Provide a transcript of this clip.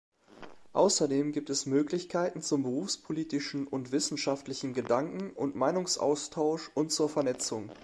Ausserdem gibt es Möglichkeiten zum berufspolitischen und wissenschaftlichen Gedanken- und Meinungsaustausch und zur Vernetzung.